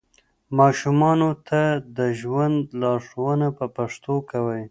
ماشومانو ته د ژوند لارښوونه په پښتو کوئ.